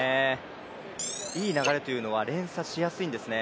いい流れというのは連鎖しやすいんですね。